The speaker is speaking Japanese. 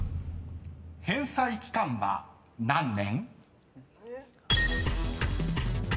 ［返済期間は何年？］